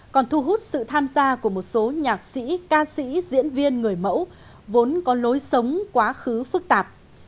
còn thu hút sự tham gia của một số nhạc sĩ ca sĩ diễn viên người mẫu vốn có lối sống quá khứ phức tạp